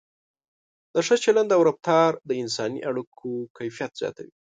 د ښه چلند او رفتار د انساني اړیکو کیفیت زیاتوي.